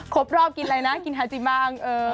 ครบรอบกินอะไรนะกินฮาจิมัง